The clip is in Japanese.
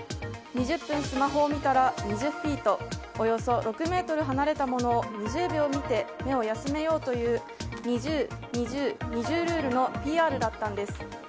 ２０分スマホを見たら２０フィートおよそ６ｍ離れたものを２０秒見て目を休めようという２０‐２０‐２０ルールのＰＲだったんです。